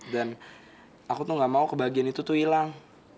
dan aku tuh gak mau kebahagiaan itu tuh hilang